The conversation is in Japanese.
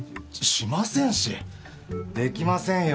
しませんし出来ませんよ。